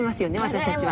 私たちは。